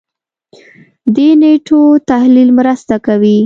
دې نېټو تحلیل مرسته کوي.